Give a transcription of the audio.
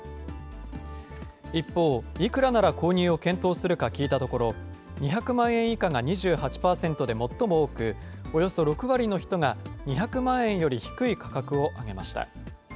一方、いくらなら購入を検討するか聞いたところ、２００万円以下が２８％で最も多く、およそ６割の人が２００万円より低い価格を挙げました。